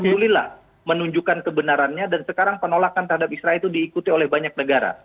alhamdulillah menunjukkan kebenarannya dan sekarang penolakan terhadap israel itu diikuti oleh banyak negara